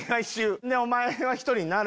お前は１人になる。